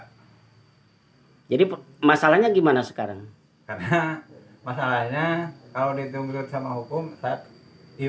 hai jadi masalahnya gimana sekarang karena masalahnya kalau ditunggu sama hukum saat yuk